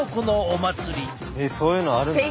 えっそういうのあるんですね。